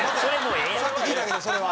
さっき聞いたけどそれは。